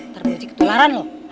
terbunyi ketularan lo